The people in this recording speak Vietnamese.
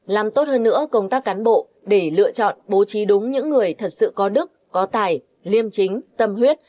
làm tốt hơn nữa công tác cán bộ để lựa chọn bố trí đúng những người thật sự có đức có tài liêm chính tâm huyết